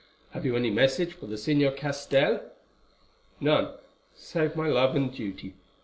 Have you any message for the Señor Castell?" "None, save my love and duty.